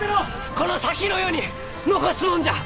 この先の世に残すもんじゃ！